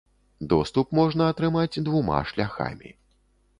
Доступ можна атрымаць двума шляхамі.